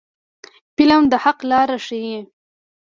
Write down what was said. فلم د حق لاره ښيي